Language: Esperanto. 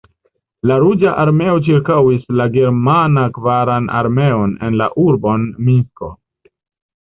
La Ruĝa Armeo ĉirkaŭis la Germana Kvaran Armeon en la urbon Minsko.